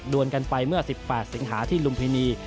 วนกันไปเมื่อ๑๘สิงหาที่ลุมพินี